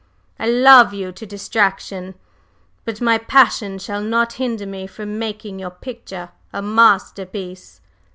I love you to distraction; but my passion shall not hinder me from making your picture a masterpiece."